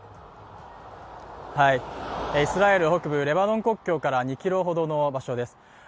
イスラエル北部レバノン国境から２ｋｍほどの場所です。